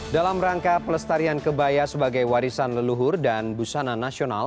dalam rangka pelestarian kebaya sebagai warisan leluhur dan busana nasional